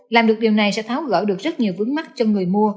làm được điều này sẽ tháo gỡ được rất nhiều vướng mắt cho người mua